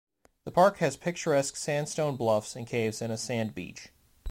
The park has picturesque sandstone bluffs and caves and a sand beach.